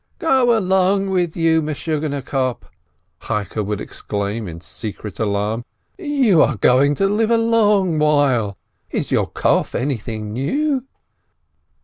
"Go along with you, crazy pate !" Cheike would exclaim in secret alarm. "You are going to live a long while ! Is your cough anything new